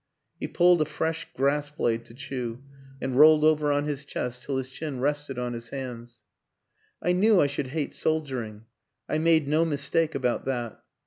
He pulled a fresh grass blade to chew and rolled over on his chest till his chin rested on his hands. " I knew I should hate soldiering I made no mistake about that.